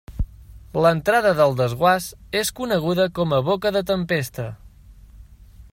L'entrada del desguàs és coneguda com a boca de tempesta.